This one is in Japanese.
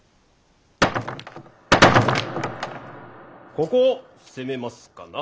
ここを攻めますかな。